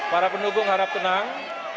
para pendukung harap tenang